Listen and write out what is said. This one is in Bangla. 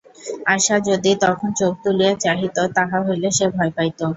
আশা যদি তখন চোখ তুলিয়া চাহিত, তাহা হইলে সে ভয় পাইত।